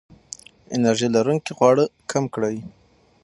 انرژي لرونکي خواړه کم کړئ.